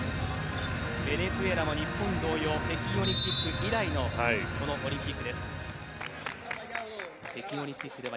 ベネズエラも日本同様北京オリンピック以来のこのオリンピックです。